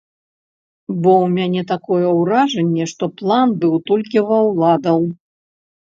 Бо ў мяне такое ўражанне, што план быў толькі ва ўладаў.